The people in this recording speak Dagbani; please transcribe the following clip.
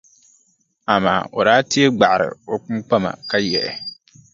Amaa o daa tee gbaɣiri o kpuŋkpama ka yiɣi.